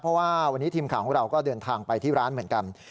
เพราะว่าวันนี้ทีมข่าวของเราก็เดินทางไปที่ร้านเหมือนกัน